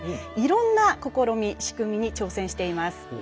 いろんな試み、仕組みに挑戦しています。